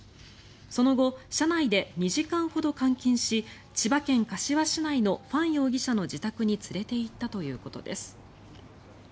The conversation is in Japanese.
その後、車内で２時間ほど監禁し千葉県柏市内のファン容疑者の自宅に連れていったということです。